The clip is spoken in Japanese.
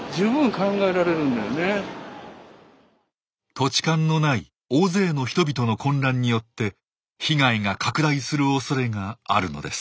土地勘のない大勢の人々の混乱によって被害が拡大するおそれがあるのです。